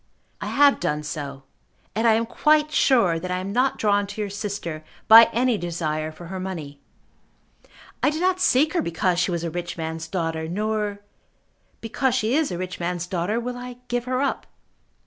I have done so, and I am quite sure that I am not drawn to your sister by any desire for her money. I did not seek her because she was a rich man's daughter, nor, because she is a rich man's daughter, will I give her up.